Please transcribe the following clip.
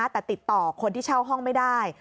แต่ติดต่อคนที่เช่าห้องไม่ได้